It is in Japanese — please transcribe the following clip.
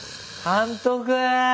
監督！